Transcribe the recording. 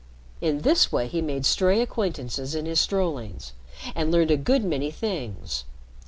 In this way he made stray acquaintances in his strollings, and learned a good many things.